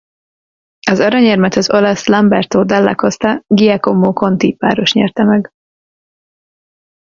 Az aranyérmet az olasz Lamberto Dalla Costa–Giacomo Conti-páros nyerte meg.